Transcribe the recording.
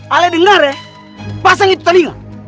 ali dengar ya pasang itu tadi ya